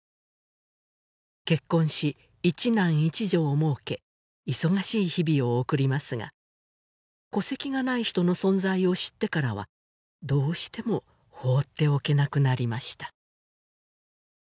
結婚し一男一女をもうけ忙しい日々を送りますが戸籍がない人の存在を知ってからはどうしても放っておけなくなりました